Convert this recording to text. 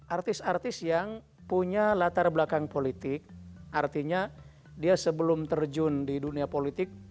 artis artis yang punya latar belakang politik artinya dia sebelum terjun di dunia politik